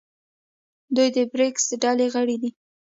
دوی د بریکس ډلې غړي دي.